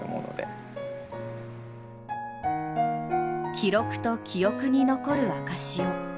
記録と記憶に残る証しを。